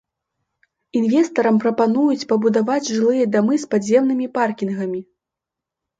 Інвестарам прапануюць пабудаваць жылыя дамы з падземнымі паркінгамі.